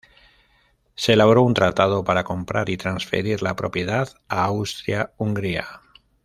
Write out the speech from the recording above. Se elaboró un tratado para comprar y transferir la propiedad a Austria-Hungría.